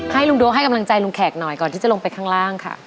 ลุงโด๊ให้กำลังใจลุงแขกหน่อยก่อนที่จะลงไปข้างล่างค่ะ